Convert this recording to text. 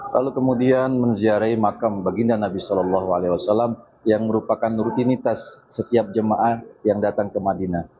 lalu kemudian menziarai makam baginda nabi saw yang merupakan rutinitas setiap jemaah yang datang ke madinah